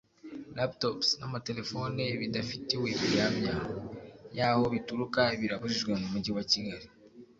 laptops n’amatelefone bidafitiwe gihamya y’aho bituruka birabujijwe mu Mujyi wa Kigali